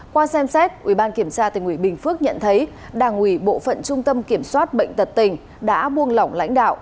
qua xem xét ubktnb phước nhận thấy đảng ubktnb tật tình đã buông lỏng lãnh đạo